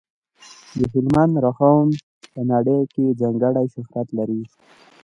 د هلمند رخام په نړۍ کې ځانګړی شهرت لري.